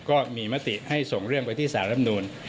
ก็มีมติให้ส่งเรื่องไปที่สารรำนูน